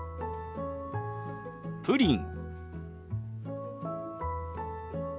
「プリン」。